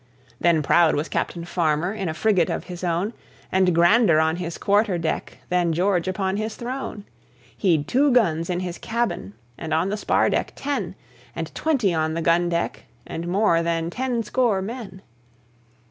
Then proud was Captain Farmer in a frigate of his own, And grander on his quarter deck than George upon his throne. He'd two guns in his cabin, and on the spar deck ten, And twenty on the gun deck, and more than ten score men.